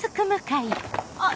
あっ。